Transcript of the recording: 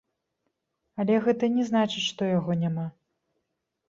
Але гэта не значыць, што яго няма.